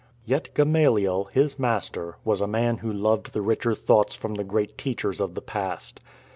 Yet Gamaliel, his master, was a man who loved the richer thoughts from the great teachers of the past.